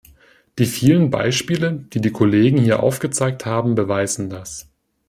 Die vielen Beispiele, die die Kollegen hier aufgezeigt haben, beweisen das.